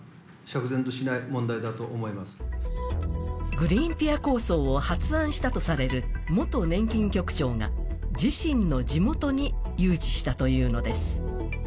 グリーンピア構想を発案したとされる元年金局長が自身の地元に誘致したというのです。